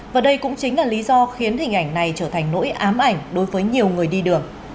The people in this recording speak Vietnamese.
và đây cũng chính là lý do khiến hình ảnh này trở thành nỗi ám ảnh đối với nhiều người đi đường